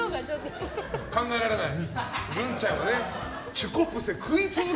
考えられない。